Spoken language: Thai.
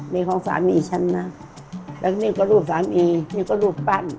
นี่ของสามีฉันนะแล้วนี่ก็รูปสามีนี่ก็รูปปั้น